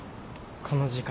この時間。